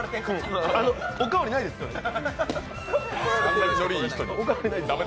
おかわり、ないですかね。